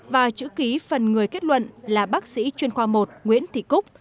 và chữ ký phần người kết luận là bác sĩ chuyên khoa một nguyễn thị cúc